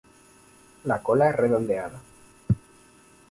La cola es redondeada.